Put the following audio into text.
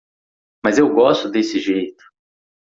Mas eu gosto desse jeito.